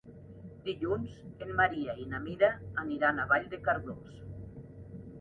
Dilluns en Maria i na Mira aniran a Vall de Cardós.